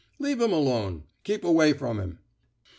Leave him alone. Keep away from him."